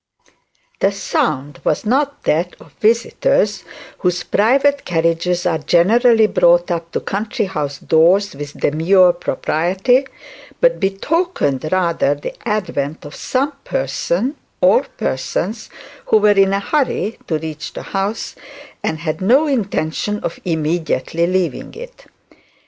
The sound was not that of visitors, whose private carriages are generally brought up to country house doors with demure propriety, but belonged rather to some person or persons who were in a hurry to reach the house, and had not intention of immediately leaving it.